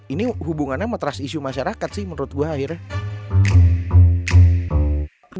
ini hubungannya sama trust issue masyarakat sih menurut gue akhirnya